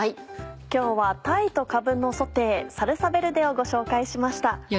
今日は「鯛とかぶのソテーサルサヴェルデ」をご紹介しました。